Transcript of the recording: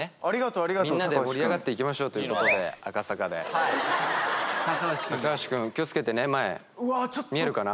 みんなで盛り上がっていきましょうということで赤坂で坂牛くん気をつけてね前見えるかな？